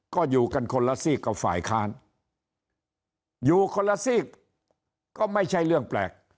ก็อยู่กันคนละซีกกับฝ่ายค้านอยู่คนละซีกก็ไม่ใช่เรื่องแปลก